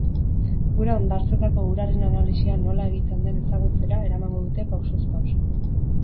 Gure hondartzetako uraren analisia nola egiten den ezagutzera emango dute pausoz pauso.